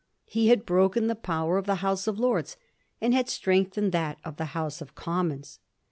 He had broken the power of the House of Lords and had strengthened that of the House of Commons.